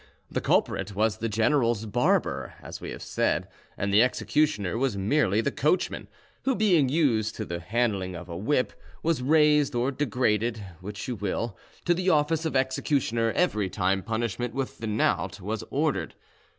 The culprit was the general's barber, as we have said, and the executioner was merely the coachman, who, being used to the handling of a whip, was raised or degraded, which you will, to the office of executioner every time punishment with the knout was ordered.